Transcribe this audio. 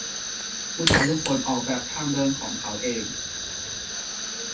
ผู้ชายทุกคนออกแบบทางเดินของเขาเอง